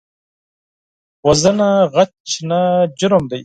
وژنه غچ نه، جرم دی